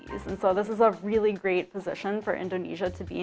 jadi ini adalah posisi yang sangat bagus untuk indonesia untuk mencari